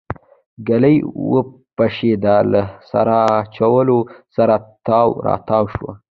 ګلی وپشېده له سر اچولو سره تاو راتاو شو.